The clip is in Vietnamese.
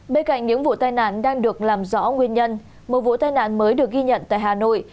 bên cạnh những vụ tai nạn đang được làm rõ nguyên nhân một vụ tai nạn mới được ghi nhận tại hà nội